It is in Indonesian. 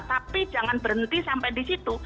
tapi jangan berhenti sampai di situ